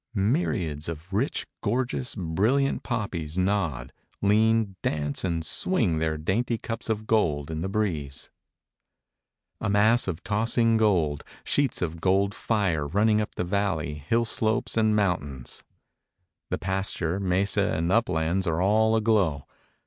Myriads of rich, gorgeous, brilliant poppies nod, lean, dance and swing their dainty cups of gold in the breeze. A mass of tossing gold, sheets of gold fire running up the valley, hill slopes and mountains. The pasture, mesa and uplands are all aglow.